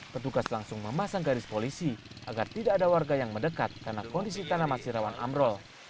petugas langsung memasang garis polisi agar tidak ada warga yang mendekat karena kondisi tanaman sirawan amrol